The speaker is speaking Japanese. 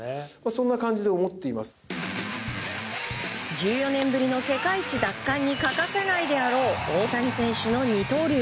１４年ぶりの世界一奪還に欠かせないであろう大谷選手の二刀流。